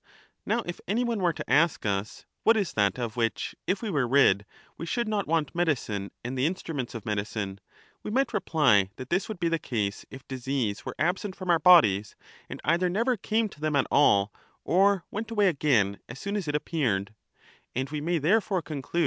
Now if any one were to ask us, What is that of which, if we were rid, we should not want medicine and the instruments of medicine, we might reply that this would be the case if disease were absent from our bodies and either never came to them at all or went away again as soon as it appeared ; and we may therefore conclude that 57o Wealth is what is wanted: Eryxias.